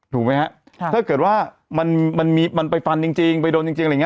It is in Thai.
ถูกไหมฮะถ้าเกิดว่ามันไปฟันจริงไปโดนจริงอะไรอย่างนี้